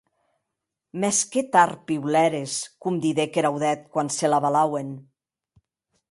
Mès que tard piulères, coma didec er audèth quan se l’avalauen.